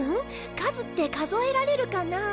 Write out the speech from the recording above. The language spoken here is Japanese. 数って数えられるかな？